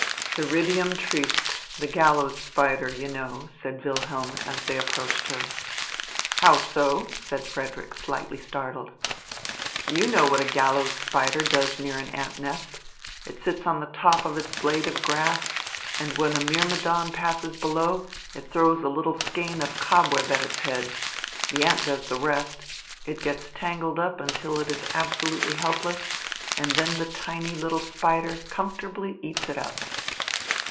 "Theridium triste, the gallows spider, you know," said Wilhelm, as they approached her. "How so?" said Frederick, slightly startled. "You know what a gallows spider does near an ant nest. It sits on the top of its blade of grass, and when a myrmidon passes below, it throws a little skein of cobweb at its head. The ant does the rest. It gets tangled up until it is absolutely helpless, and then the tiny little spider comfortably eats it up."